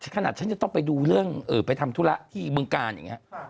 ขนาดฉันจะต้องไปดูเรื่องไปทำธุระที่บึงการอย่างนี้